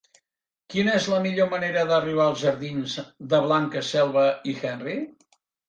Quina és la millor manera d'arribar als jardins de Blanca Selva i Henry?